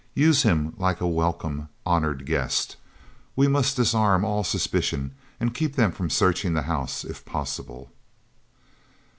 Use him like a welcome, honored guest. We must disarm all suspicion, and keep them from searching the house, if possible."